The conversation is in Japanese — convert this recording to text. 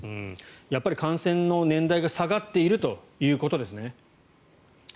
やっぱり感染の年代が下がっているということですね。